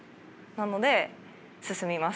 なので進みます。